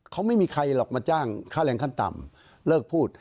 เขาไม่มีใครหรอกมาจ้างค่าแรงขั้นต่ำเลิกพูด